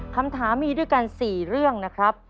คำถามมีด้วยกัน๔เรื่องนะครับ